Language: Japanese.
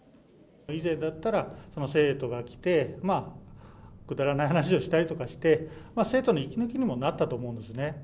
以前だったら、生徒が来て、くだらない話をしたりとかして、生徒の息抜きにもなったと思うんですね。